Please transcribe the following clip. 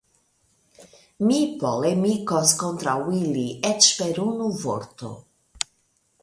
Mi polemikos kontraŭ ili eĉ per unu vorto.